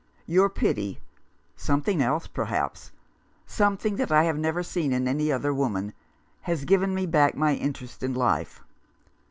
Your pity — something else, perhaps ; something that I have never seen in any other woman — has given me back my interest in life.